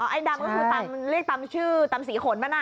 อ๋อไอ้ดำก็คือขึ้นตามชื่อตามสีขนละนะ